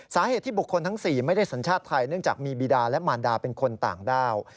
สาเหตุที่บุคคลทั้ง๔ไม่ได้สัญชาติไทยเนื่องจากมีบีดาและมารดาเป็นคนต่างด้าว